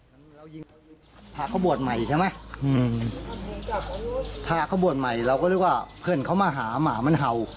สุขภาพเขาบวชใหม่เราเลยว่าเพื่อนเขามาหาหมาหาว